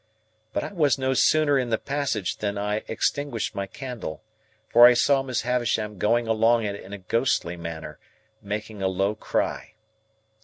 But I was no sooner in the passage than I extinguished my candle; for I saw Miss Havisham going along it in a ghostly manner, making a low cry.